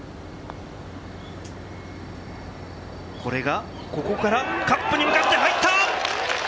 これがここから、カップに向かって入った！